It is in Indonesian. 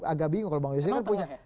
agak bingung kalau bang yose kan punya